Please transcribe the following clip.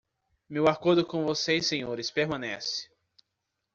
Meu acordo com vocês senhores permanece!